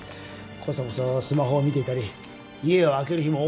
こそこそスマホを見ていたり家を空ける日も多くて。